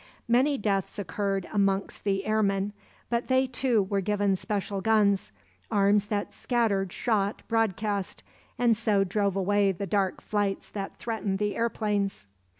Many deaths occurred amongst the airmen; but they, too, were given special guns, arms that scattered shot broadcast, and so drove away the dark flights that threatened the airplanes.